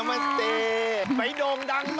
การทำงานที่นู่น